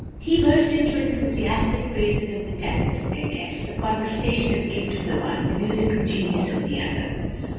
He burst into enthusiastic praises of the talents of their guests the conversational gift of the one, the musical genius of the other.